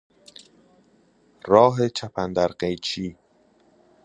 راه چپ اندر قیچی